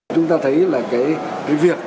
chúng ta thấy là cái việc